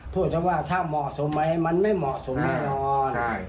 พูดชาวบ้านชาวเหมาะสมไหมมันไม่เหมาะสมอย่างนอน